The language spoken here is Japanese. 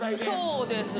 そうですね。